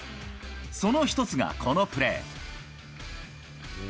その一つがこのプレー。